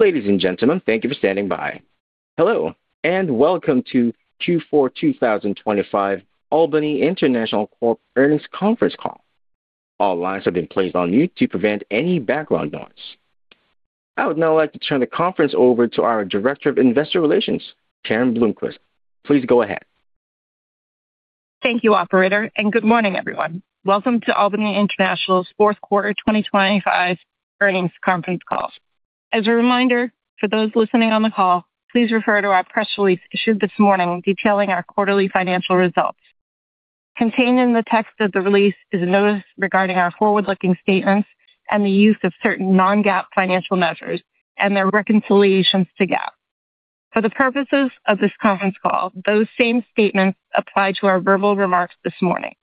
Ladies and gentlemen, thank you for standing by. Hello, and welcome to Q4 2025 Albany International Corp Earnings Conference Call. All lines have been placed on mute to prevent any background noise. I would now like to turn the conference over to our Director of Investor Relations, Karen Blomquist. Please go ahead. Thank you, operator. Good morning, everyone. Welcome to Albany International's Q4 2025 earnings conference call. As a reminder for those listening on the call, please refer to our press release issued this morning detailing our quarterly financial results. Contained in the text of the release is a notice regarding our forward-looking statements and the use of certain non-GAAP financial measures and their reconciliations to GAAP. For the purposes of this conference call, those same statements apply to our verbal remarks this morning.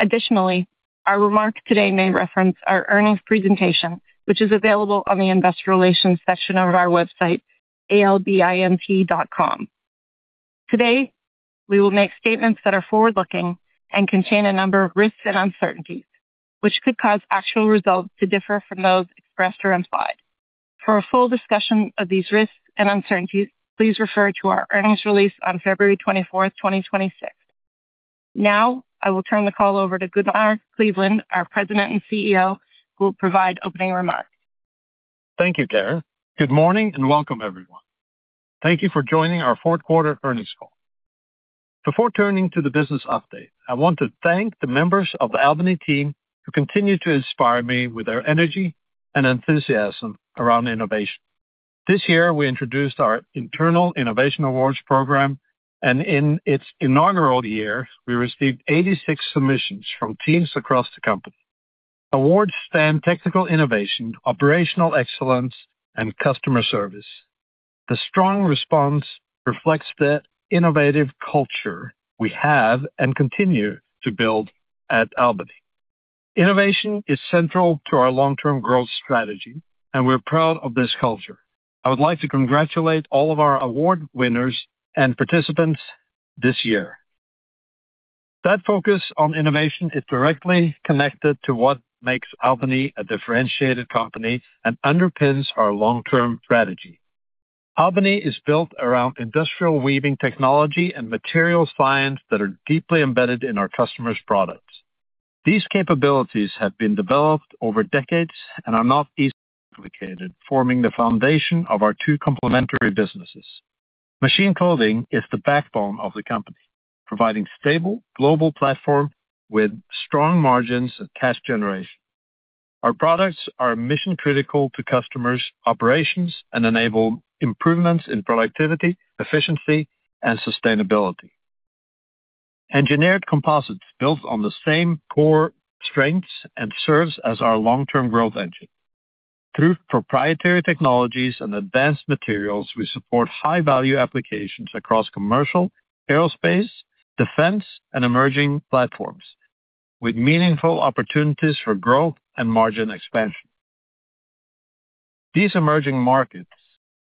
Additionally, our remarks today may reference our earnings presentation, which is available on the Investor Relations section of our website, albint.com. Today, we will make statements that are forward-looking and contain a number of risks and uncertainties, which could cause actual results to differ from those expressed or implied. For a full discussion of these risks and uncertainties, please refer to our earnings release on February 24th, 2026. Now, I will turn the call over to Gunnar Kleveland, our President and CEO, who will provide opening remarks. Thank you, Karen. Good morning, and welcome, everyone. Thank you for joining our Q4 earnings call. Before turning to the business update, I want to thank the members of the Albany team who continue to inspire me with their energy and enthusiasm around innovation. This year, we introduced our internal innovation awards program, and in its inaugural year, we received 86 submissions from teams across the company. Awards span technical innovation, operational excellence, and customer service. The strong response reflects the innovative culture we have and continue to build at Albany. Innovation is central to our long-term growth strategy, and we're proud of this culture. I would like to congratulate all of our award winners and participants this year. That focus on innovation is directly connected to what makes Albany a differentiated company and underpins our long-term strategy. Albany is built around industrial weaving technology and material science that are deeply embedded in our customers' products. These capabilities have been developed over decades and are not easily replicated, forming the foundation of our two complementary businesses. Machine Clothing is the backbone of the company, providing stable global platform with strong margins and cash generation. Our products are mission-critical to customers' operations and enable improvements in productivity, efficiency, and sustainability. Engineered Composites built on the same core strengths and serves as our long-term growth engine. Through proprietary technologies and advanced materials, we support high-value applications across commercial, aerospace, defense, and emerging platforms, with meaningful opportunities for growth and margin expansion. These emerging markets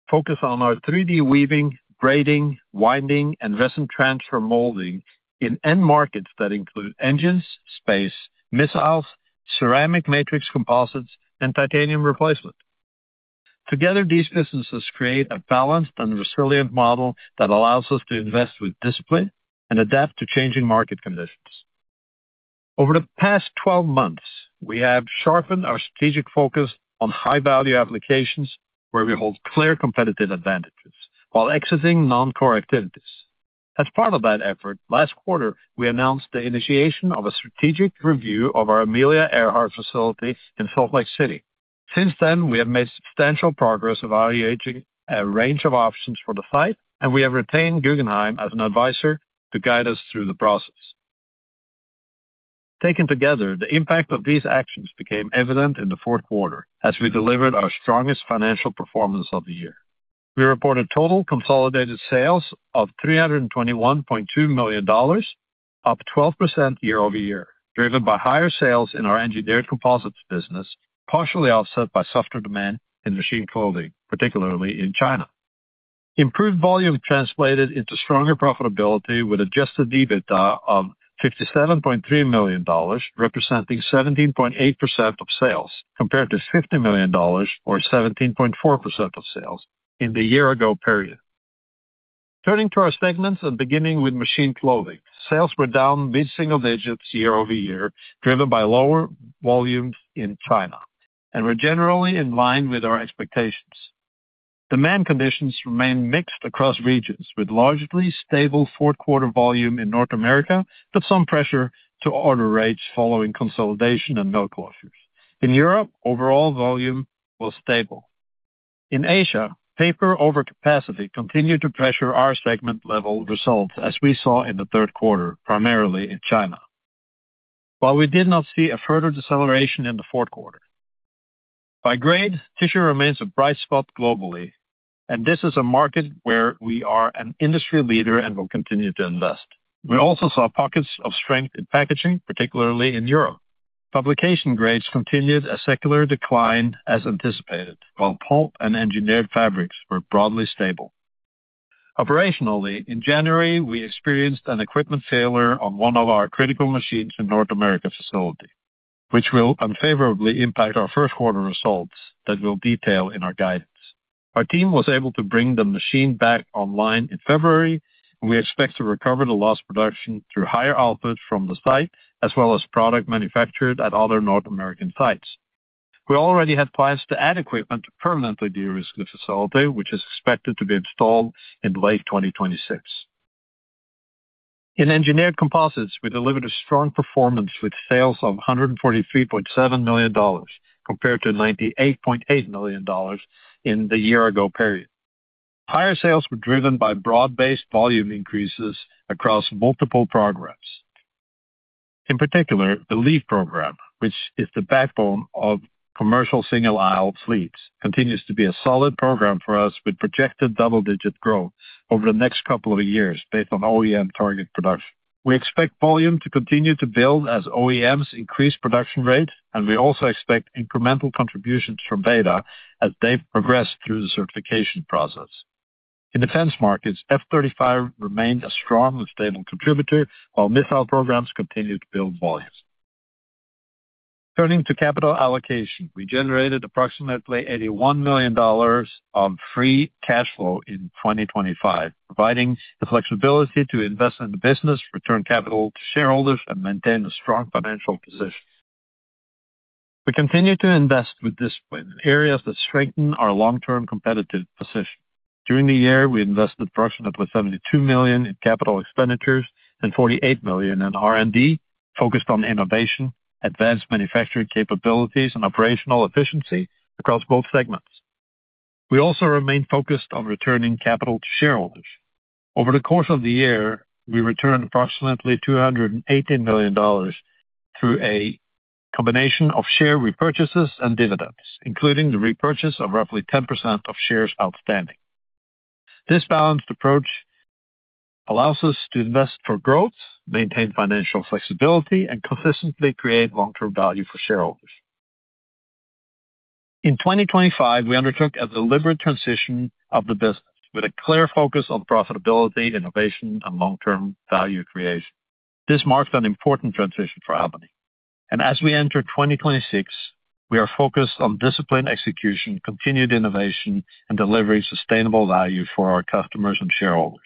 focus on our 3D weaving, braiding, winding, and Resin Transfer Molding in end markets that include engines, space, missiles, Ceramic Matrix Composites, and titanium replacement. Together, these businesses create a balanced and resilient model that allows us to invest with discipline and adapt to changing market conditions. Over the past 12 months, we have sharpened our strategic focus on high-value applications where we hold clear competitive advantages while exiting non-core activities. As part of that effort, last quarter, we announced the initiation of a strategic review of our Amelia Earhart facility in Salt Lake City. Since then, we have made substantial progress evaluating a range of options for the site, and we have retained Guggenheim as an advisor to guide us through the process. Taken together, the impact of these actions became evident in the Q4 as we delivered our strongest financial performance of the year. We reported total consolidated sales of $321.2 million, up 12% year-over-year, driven by higher sales in our Engineered Composites business, partially offset by softer demand in Machine Clothing, particularly in China. Improved volume translated into stronger profitability with Adjusted EBITDA of $57.3 million, representing 17.8% of sales, compared to $50 million or 17.4% of sales in the year-ago period. Turning to our segments and beginning with Machine Clothing. Sales were down mid-single digits year-over-year, driven by lower volumes in China and were generally in line with our expectations. Demand conditions remain mixed across regions, with largely stable Q4 volume in North America, but some pressure to order rates following consolidation and mill closures. In Europe, overall volume was stable. In Asia, paper overcapacity continued to pressure our segment-level results, as we saw in the Q3, primarily in China. We did not see a further deceleration in the Q4. By grade, tissue remains a bright spot globally. This is a market where we are an industry leader and will continue to invest. We also saw pockets of strength in packaging, particularly in Europe. Publication grades continued a secular decline as anticipated, while pulp and engineered fabrics were broadly stable. Operationally, in January, we experienced an equipment failure on one of our critical machines in North America facility, which will unfavorably impact our Q1 results that we'll detail in our guidance. Our team was able to bring the machine back online in February, and we expect to recover the lost production through higher output from the site as well as product manufactured at other North American sites. We already had plans to add equipment to permanently de-risk the facility, which is expected to be installed in late 2026. In Engineered Composites, we delivered a strong performance with sales of $143.7 million, compared to $98.8 million in the year ago period. Higher sales were driven by broad-based volume increases across multiple programs. In particular, the LEAP program, which is the backbone of commercial single-aisle fleets, continues to be a solid program for us, with projected double-digit growth over the next couple of years, based on OEM target production. We expect volume to continue to build as OEMs increase production rate. We also expect incremental contributions from Beta as they progress through the certification process. In defense markets, F-35 remained a strong and stable contributor, while missile programs continued to build volumes. Turning to capital allocation. We generated approximately $81 million of free cash flow in 2025, providing the flexibility to invest in the business, return capital to shareholders, and maintain a strong financial position. We continue to invest with discipline in areas that strengthen our long-term competitive position. During the year, we invested approximately $72 million in capital expenditures and $48 million in R&D, focused on innovation, advanced manufacturing capabilities, and operational efficiency across both segments. We also remain focused on returning capital to shareholders. Over the course of the year, we returned approximately $218 million through a combination of share repurchases and dividends, including the repurchase of roughly 10% of shares outstanding. This balanced approach allows us to invest for growth, maintain financial flexibility, and consistently create long-term value for shareholders. In 2025, we undertook a deliberate transition of the business with a clear focus on profitability, innovation, and long-term value creation. This marks an important transition for Albany. As we enter 2026, we are focused on disciplined execution, continued innovation, and delivering sustainable value for our customers and shareholders.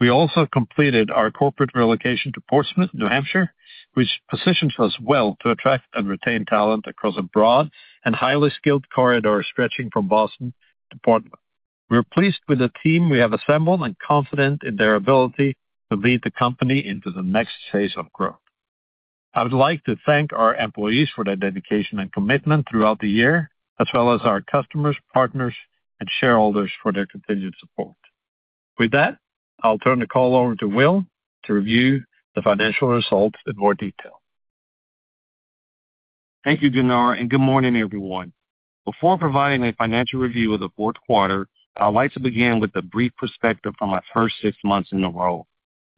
We also completed our corporate relocation to Portsmouth, New Hampshire, which positions us well to attract and retain talent across a broad and highly skilled corridor stretching from Boston to Portland. We're pleased with the team we have assembled and confident in their ability to lead the company into the next phase of growth. I would like to thank our employees for their dedication and commitment throughout the year, as well as our customers, partners, and shareholders for their continued support. With that, I'll turn the call over to Will to review the financial results in more detail. Thank you, Gunnar. Good morning, everyone. Before providing a financial review of the Q4, I'd like to begin with a brief perspective on my first six months in the role.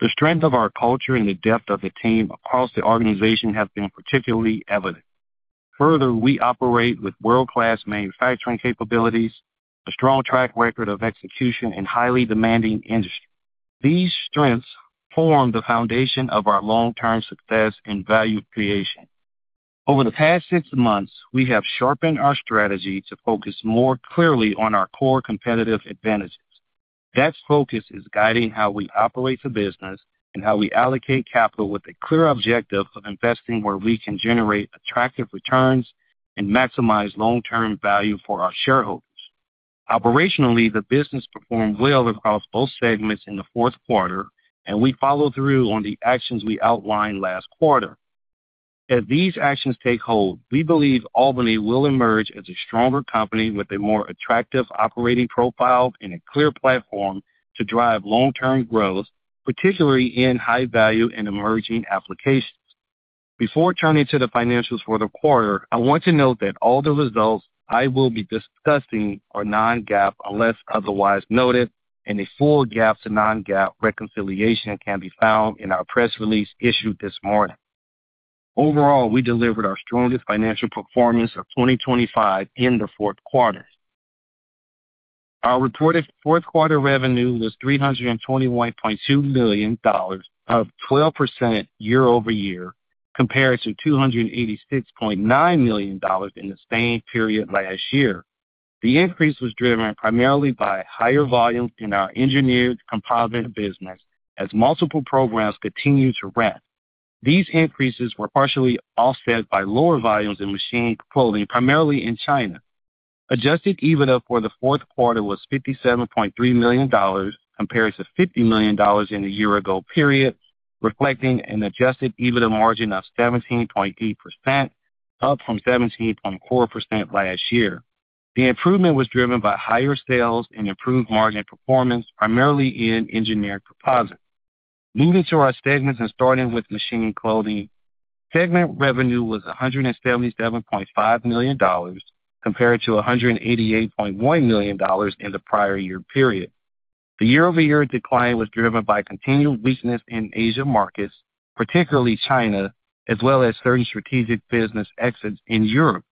The strength of our culture and the depth of the team across the organization have been particularly evident. Further, we operate with world-class manufacturing capabilities, a strong track record of execution in highly demanding industries. These strengths form the foundation of our long-term success and value creation. Over the past six months, we have sharpened our strategy to focus more clearly on our core competitive advantages. That focus is guiding how we operate the business and how we allocate capital with a clear objective of investing where we can generate attractive returns and maximize long-term value for our shareholders. Operationally, the business performed well across both segments in the Q4, and we followed through on the actions we outlined last quarter. As these actions take hold, we believe Albany will emerge as a stronger company with a more attractive operating profile and a clear platform to drive long-term growth, particularly in high-value and emerging applications. Before turning to the financials for the quarter, I want to note that all the results I will be discussing are non-GAAP, unless otherwise noted, and a full GAAP to non-GAAP reconciliation can be found in our press release issued this morning. Overall, we delivered our strongest financial performance of 2025 in the Q4. Our reported Q4 revenue was $321.2 million, up 12% year-over-year, compared to $286.9 million in the same period last year. The increase was driven primarily by higher volumes in our Engineered Composites business as multiple programs continued to ramp. These increases were partially offset by lower volumes in Machine Clothing, primarily in China. Adjusted EBITDA for the Q4 was $57.3 million, compared to $50 million in the year ago period, reflecting an Adjusted EBITDA margin of 17.8%, up from 17.4% last year. The improvement was driven by higher sales and improved margin performance, primarily in Engineered Composites. Moving to our segments and starting with Machine Clothing. Segment revenue was $177.5 million, compared to $188.1 million in the prior year period. The year-over-year decline was driven by continued weakness in Asian markets, particularly China, as well as certain strategic business exits in Europe.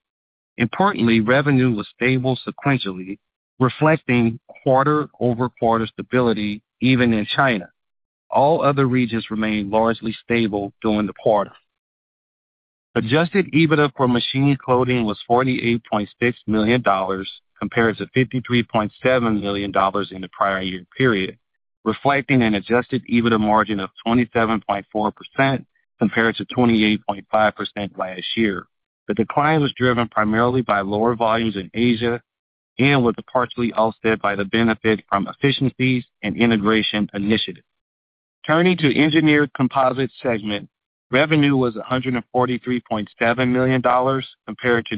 Revenue was stable sequentially, reflecting quarter-over-quarter stability even in China. All other regions remained largely stable during the quarter. Adjusted EBITDA for Machine Clothing was $48.6 million, compared to $53.7 million in the prior year period, reflecting an Adjusted EBITDA margin of 27.4% compared to 28.5% last year. The decline was driven primarily by lower volumes in Asia and was partially offset by the benefit from efficiencies and integration initiatives. Turning to Engineered Composites segment, revenue was $143.7 million, compared to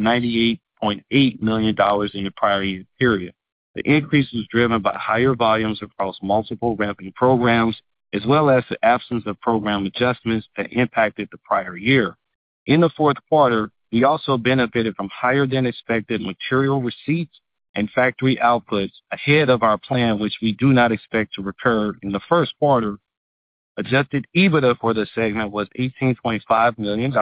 $98.8 million in the prior year period. The increase was driven by higher volumes across multiple ramping programs, as well as the absence of program adjustments that impacted the prior year. In the Q4 we also benefited from higher-than-expected material receipts and factory outputs ahead of our plan, which we do not expect to recur in the Q1. Adjusted EBITDA for the segment was $18.5 million,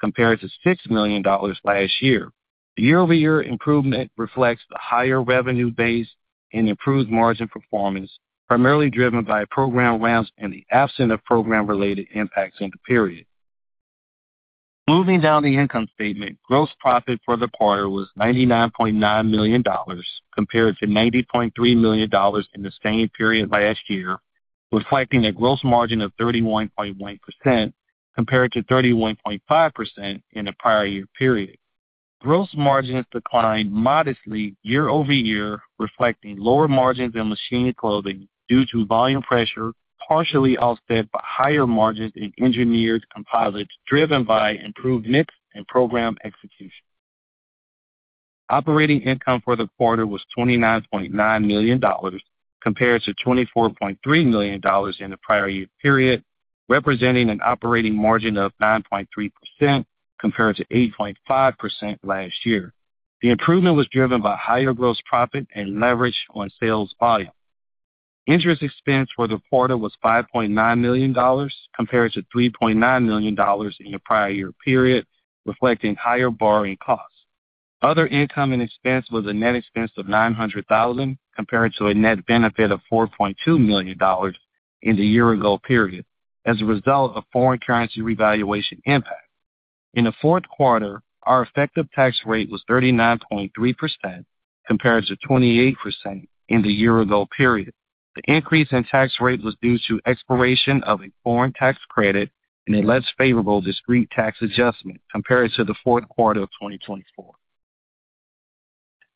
compared to $6 million last year. The year-over-year improvement reflects the higher revenue base and improved margin performance, primarily driven by program ramps and the absence of program-related impacts in the period. Moving down the income statement, gross profit for the quarter was $99.9 million, compared to $90.3 million in the same period last year, reflecting a gross margin of 31.1% compared to 31.5% in the prior year period. Gross margins declined modestly year-over-year, reflecting lower margins in Machine Clothing due to volume pressure, partially offset by higher margins in Engineered Composites, driven by improved mix and program execution. Operating income for the quarter was $29.9 million, compared to $24.3 million in the prior year period, representing an operating margin of 9.3% compared to 8.5% last year. The improvement was driven by higher gross profit and leverage on sales volume. Interest expense for the quarter was $5.9 million, compared to $3.9 million in the prior year period, reflecting higher borrowing costs. Other income and expense was a net expense of $900,000, compared to a net benefit of $4.2 million in the year-ago period as a result of foreign currency revaluation impact. In the Q4, our effective tax rate was 39.3%, compared to 28% in the year-ago period. The increase in tax rate was due to expiration of a Foreign Tax Credit and a less favorable discrete tax adjustment compared to the Q4 of 2024.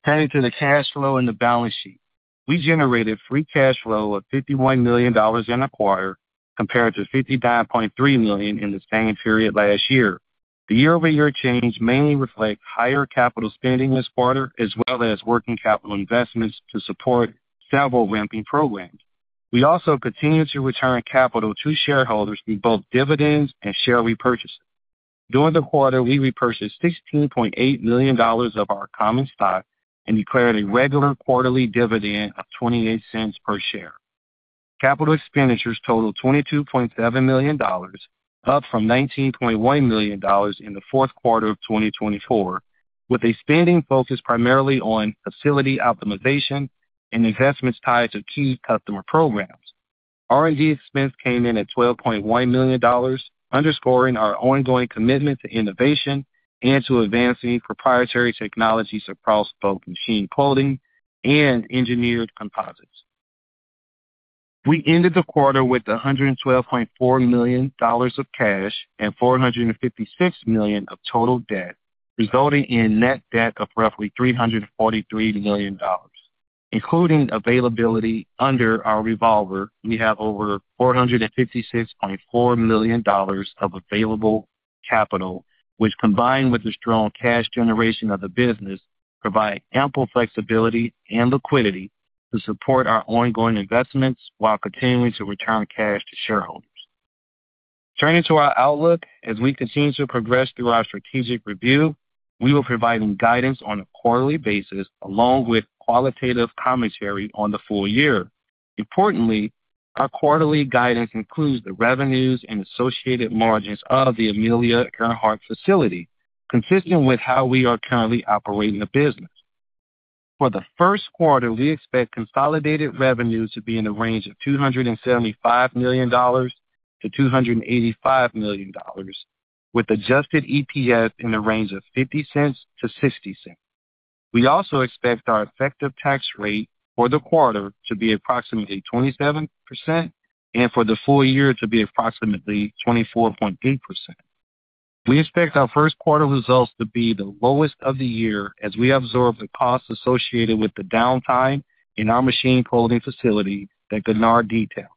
Turning to the cash flow and the balance sheet. We generated free cash flow of $51 million in the quarter, compared to $59.3 million in the same period last year. The year-over-year change mainly reflects higher capital spending this quarter, as well as working capital investments to support several ramping programs. We also continued to return capital to shareholders through both dividends and share repurchases. During the quarter, we repurchased $16.8 million of our common stock and declared a regular quarterly dividend of $0.28 per share. Capital expenditures totaled $22.7 million, up from $19.1 million in the Q4 of 2024, with a spending focus primarily on facility optimization and investments tied to key customer programs. R&D expense came in at $12.1 million, underscoring our ongoing commitment to innovation and to advancing proprietary technologies across both Machine Clothing and Engineered Composites. We ended the quarter with $112.4 million of cash and $456 million of total debt, resulting in net debt of roughly $343 million. Including availability under our revolver, we have over $456.4 million of available capital, which, combined with the strong cash generation of the business, provide ample flexibility and liquidity to support our ongoing investments while continuing to return cash to shareholders. Turning to our outlook, as we continue to progress through our strategic review, we will be providing guidance on a quarterly basis, along with qualitative commentary on the full year. Importantly, our quarterly guidance includes the revenues and associated margins of the Amelia Earhart facility, consistent with how we are currently operating the business. For the Q1, we expect consolidated revenue to be in the range of $275 million-$285 million, with Adjusted EPS in the range of $0.50-$0.60. We also expect our effective tax rate for the quarter to be approximately 27% and for the full year to be approximately 24.3%. We expect our Q1 results to be the lowest of the year as we absorb the costs associated with the downtime in our Machine Clothing facility that Gunnar detailed.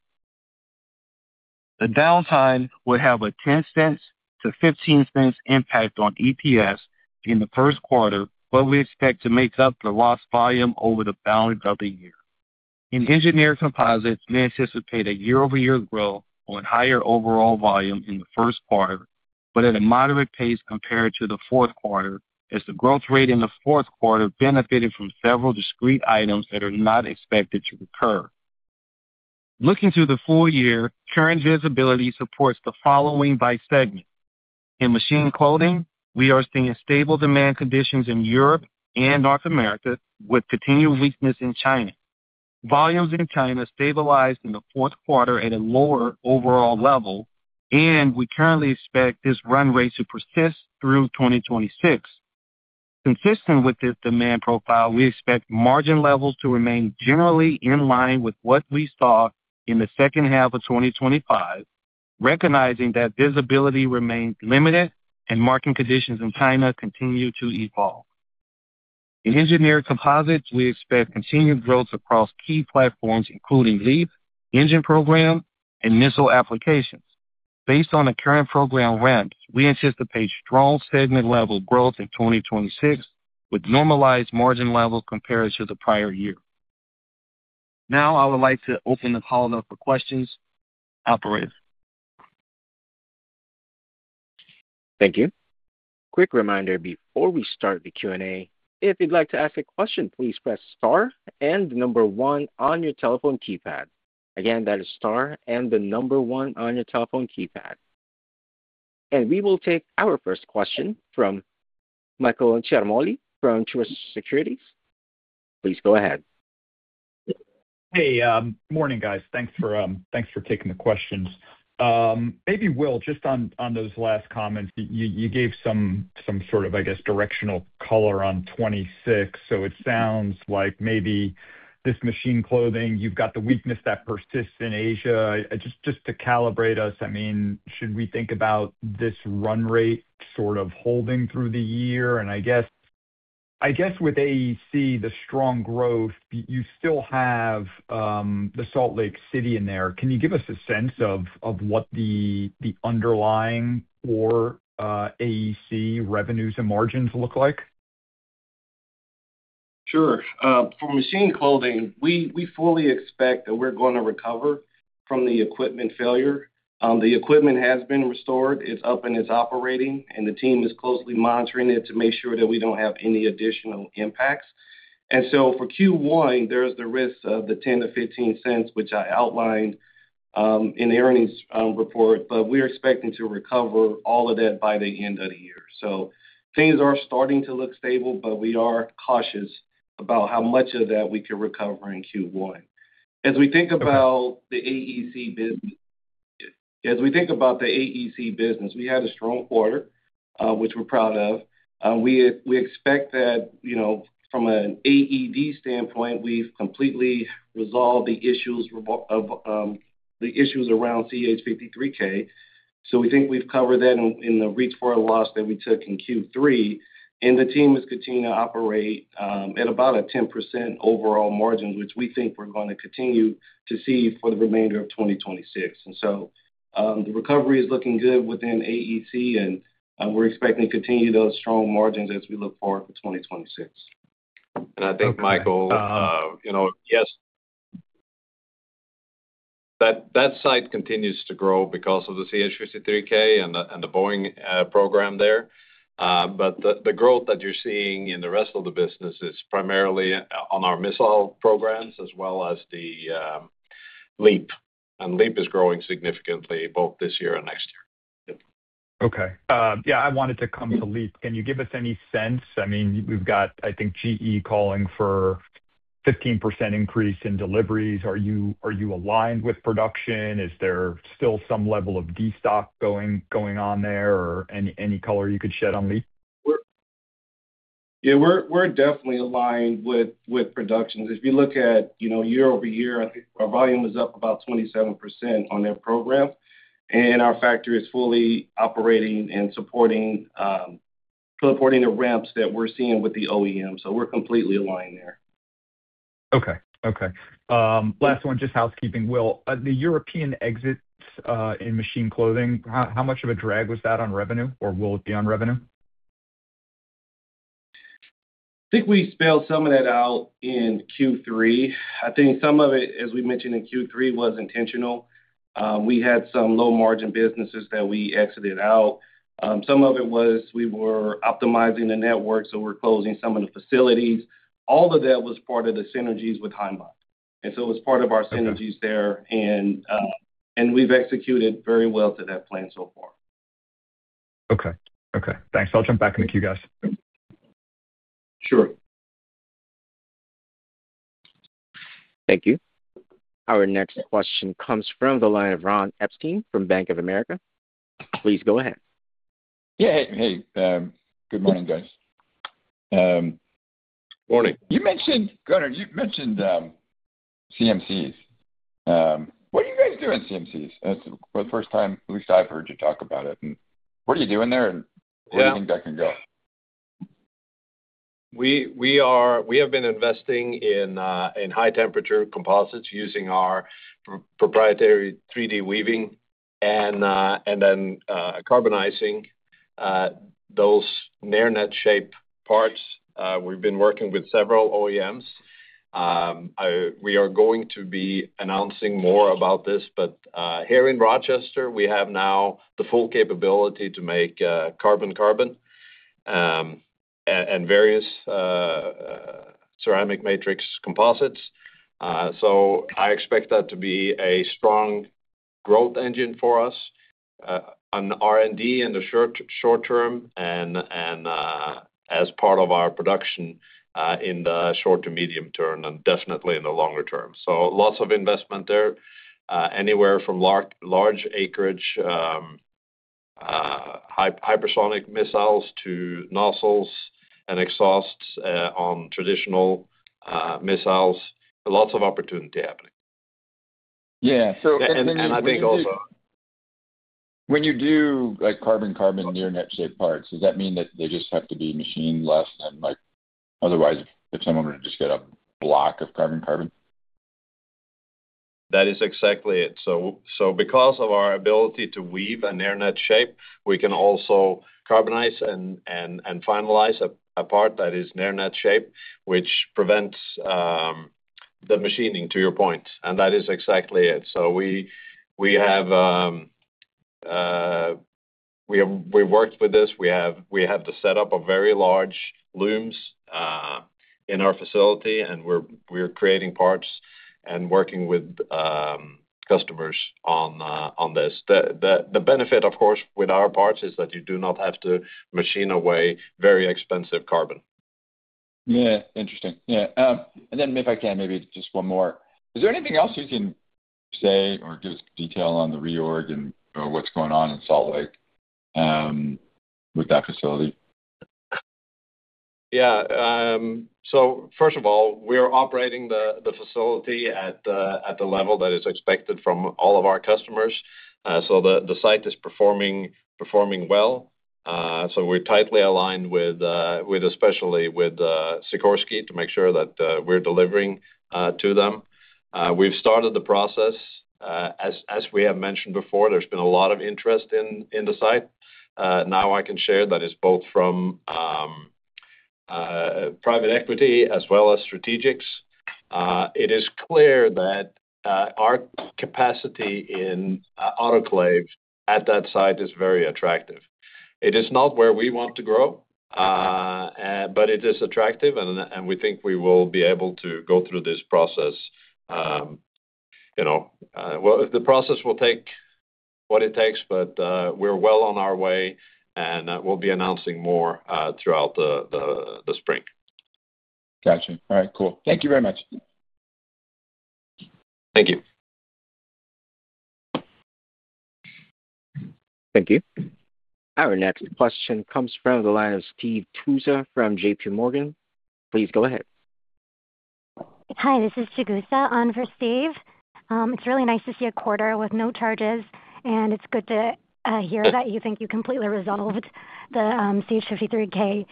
The downtime will have a $0.10-$0.15 impact on EPS in the Q1. We expect to make up the lost volume over the balance of the year. In Engineered Composites, we anticipate a year-over-year growth on higher overall volume in the Q1, but at a moderate pace compared to the Q4, as the growth rate in the Q4 benefited from several discrete items that are not expected to recur. Looking to the full year, current visibility supports the following by segment. In Machine Clothing, we are seeing stable demand conditions in Europe and North America, with continued weakness in China. Volumes in China stabilized in the Q4 at a lower overall level. We currently expect this run rate to persist through 2026. Consistent with this demand profile, we expect margin levels to remain generally in line with what we saw in the second half of 2025, recognizing that visibility remains limited and market conditions in China continue to evolve. In Engineered Composites, we expect continued growth across key platforms, including LEAP, engine program, and missile applications. Based on the current program ramps, we anticipate strong segment-level growth in 2026, with normalized margin level compared to the prior year. I would like to open the call up for questions. Operator? Thank you. Quick reminder before we start the Q&A, if you'd like to ask a question, please press star and the number one on your telephone keypad. Again, that is star and the number one on your telephone keypad. We will take our first question from Michael Ciarmoli from Truist Securities. Please go ahead. Hey, morning, guys. Thanks for taking the questions. Maybe, Will, just on those last comments, you gave some sort of, I guess, directional color on 2026. It sounds like maybe this Machine Clothing, you've got the weakness that persists in Asia. Just to calibrate us, I mean, should we think about this run rate sort of holding through the year? I guess with AEC, the strong growth, you still have the Salt Lake City in there. Can you give us a sense of what the underlying for AEC revenues and margins look like? Sure. For Machine Clothing, we fully expect that we're going to recover from the equipment failure. The equipment has been restored. It's up and it's operating, and the team is closely monitoring it to make sure that we don't have any additional impacts. For Q1, there is the risk of the $0.10-$0.15, which I outlined in the earnings report, but we're expecting to recover all of that by the end of the year. Things are starting to look stable, but we are cautious about how much of that we can recover in Q1. As we think about the AEC business, we had a strong quarter, which we're proud of. We expect that, you know, from an AEC standpoint, we've completely resolved the issues around CH-53K. We think we've covered that in the loss carryforward that we took in Q3, and the team is continuing to operate at about a 10% overall margin, which we think we're going to continue to see for the remainder of 2026. The recovery is looking good within AEC, and we're expecting to continue those strong margins as we look forward for 2026. I think, Michael, you know, yes. That site continues to grow because of the CH-53K and the Boeing program there. The growth that you're seeing in the rest of the business is primarily on our missile programs as well as the LEAP, and LEAP is growing significantly both this year and next year. Okay. Yeah, I wanted to come to LEAP. Can you give us any sense? I mean, we've got, I think, GE calling for 15% increase in deliveries. Are you aligned with production? Is there still some level of destock going on there or any color you could shed on me? Yeah, we're definitely aligned with production. If you look at, you know, year-over-year, I think our volume is up about 27% on that program, and our factory is fully operating and supporting the ramps that we're seeing with the OEM. We're completely aligned there. Okay. Okay. Last one, just housekeeping. Will, the European exits, in Machine Clothing, how much of a drag was that on revenue or will it be on revenue? I think we spelled some of that out in Q3. I think some of it, as we mentioned in Q3, was intentional. We had some low-margin businesses that we exited out. Some of it was we were optimizing the network, so we're closing some of the facilities. All of that was part of the synergies with Heimbach, and so it was part of our synergies there, and we've executed very well to that plan so far. Okay. Okay, thanks. I'll jump back in the queue, guys. Sure. Thank you. Our next question comes from the line of Ronald Epstein from Bank of America. Please go ahead. Yeah. Hey, hey, good morning, guys. Morning. Gunnar, you mentioned CMCs. What are you guys doing in CMCs? That's the first time at least I've heard you talk about it. What are you doing there? Yeah. Where do you think that can go? We have been investing in high-temperature composites using our proprietary 3D weaving then carbonizing those near-net shape parts. We've been working with several OEMs. We are going to be announcing more about this, here in Rochester, we have now the full capability to make carbon-carbon and various Ceramic Matrix Composites. I expect that to be a strong growth engine for us on R&D in the short term and as part of our production in the short to medium term, definitely in the longer term. Lots of investment there, anywhere from large acreage hypersonic missiles to nozzles and exhausts on traditional missiles. Lots of opportunity happening. Yeah. I think. When you do carbon-carbon near-net shape parts, does that mean that they just have to be machined less than otherwise, if someone were to just get a block of carbon-carbon? That is exactly it. Because of our ability to weave a near-net shape, we can also carbonize and finalize a part that is near-net shape, which prevents the machining, to your point. That is exactly it. We've worked with this. We have to set up a very large looms in our facility, and we're creating parts and working with customers on this. The benefit, of course, with our parts is that you do not have to machine away very expensive carbon. Yeah. Interesting. Yeah, then if I can, maybe just one more. Is there anything else you can say or give us detail on the reorg and, or what's going on in Salt Lake, with that facility? Yeah, first of all, we are operating the facility at the, at the level that is expected from all of our customers. The site is performing well. We're tightly aligned with especially with Sikorsky, to make sure that we're delivering to them. We've started the process. As we have mentioned before, there's been a lot of interest in the site. Now I can share that it's both from private equity as well as strategics. It is clear that our capacity in autoclave at that site is very attractive. It is not where we want to grow, but it is attractive and we think we will be able to go through this process, you know. Well, the process will take what it takes. We're well on our way. We'll be announcing more throughout the spring. Gotcha. All right, cool. Thank you very much. Thank you. Thank you. Our next question comes from the line of Steve Tusa from J.P. Morgan. Please go ahead. Hi, this is Tusa on for Steve. It's really nice to see a quarter with no charges, and it's good to hear that you think you completely resolved the CH-53K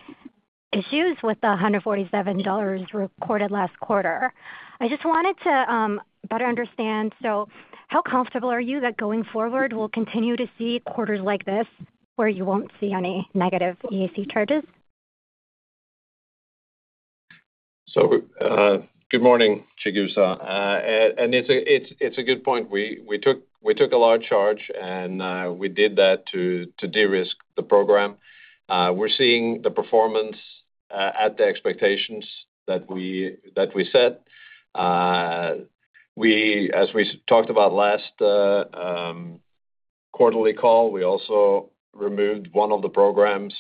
issues with the $147 recorded last quarter. I just wanted to better understand. How comfortable are you that going forward, we'll continue to see quarters like this, where you won't see any negative EAC charges? Good morning, Tusa. It's a good point. We took a large charge, and we did that to de-risk the program. We're seeing the performance at the expectations that we set. We, as we talked about last quarterly call, we also removed one of the programs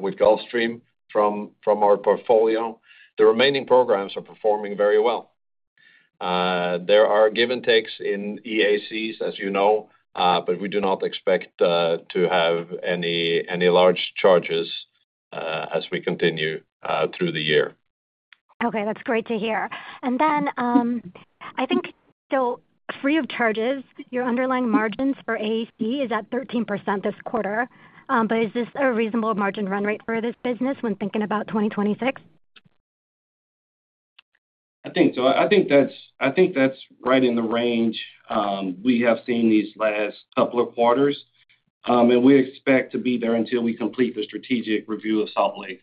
with Gulfstream from our portfolio. The remaining programs are performing very well. There are give-and-takes in EACs, as you know, we do not expect to have any large charges as we continue through the year. Okay. That's great to hear. I think, so free of charges, your underlying margins for AEC is at 13% this quarter, is this a reasonable margin run rate for this business when thinking about 2026? I think so. I think that's right in the range, we have seen these last couple of quarters. We expect to be there until we complete the strategic review of Salt Lake.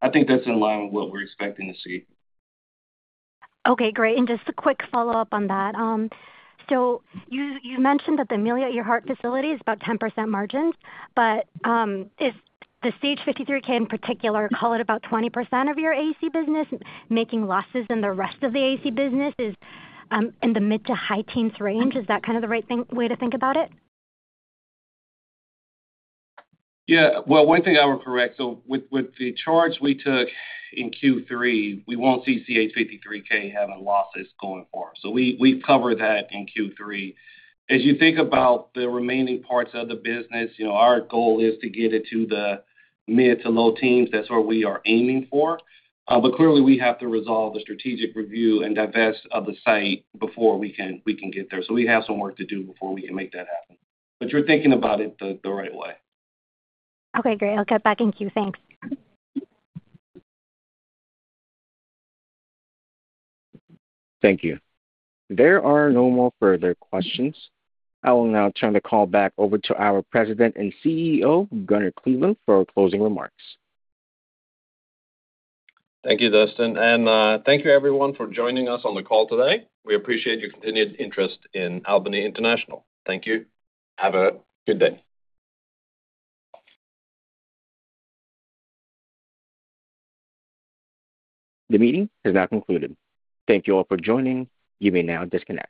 I think that's in line with what we're expecting to see. Okay, great. Just a quick follow-up on that. You mentioned that the Amelia Earhart Facility is about 10% margins, but is the CH-53K in particular, call it, about 20% of your AEC business, making losses in the rest of the AEC business in the mid-to-high teens range? Is that kind of the right way to think about it? Yeah. Well, one thing I will correct, with the charge we took in Q3, we won't see CH-53K having losses going forward. We, we've covered that in Q3. As you think about the remaining parts of the business, you know, our goal is to get it to the mid to low teens. That's what we are aiming for, clearly, we have to resolve the strategic review and divest of the site before we can, we can get there. We have some work to do before we can make that happen, you're thinking about it the right way. Okay, great. I'll get back in queue. Thanks. Thank you. There are no more further questions. I will now turn the call back over to our President and CEO, Gunnar Kleveland, for closing remarks. Thank you, Dustin, and thank you everyone for joining us on the call today. We appreciate your continued interest in Albany International. Thank you. Have a good day. The meeting is now concluded. Thank you all for joining. You may now disconnect.